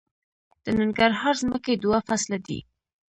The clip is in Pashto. د ننګرهار ځمکې دوه فصله دي